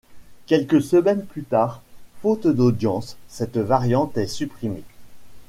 Quelques semaines plus tard, faute d'audiences, cette variante est supprimée.